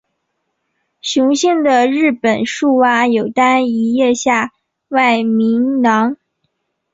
雄性的日本树蛙有单一咽下外鸣囊。